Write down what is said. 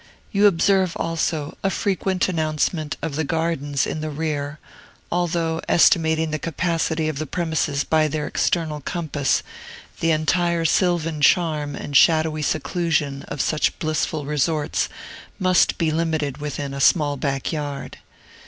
You observe, also, a frequent announcement of "The Gardens" in the rear; although, estimating the capacity of the premises by their external compass, the entire sylvan charm and shadowy seclusion of such blissful resorts must be limited within a small back yard.